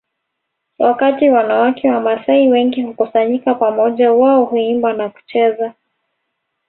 Wakati wanawake wamasai wengi hukusanyika pamoja wao huimba na kucheza